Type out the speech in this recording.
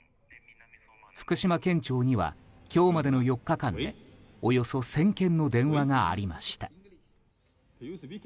福島県庁には今日までの４日間でおよそ１０００件の電話がありました。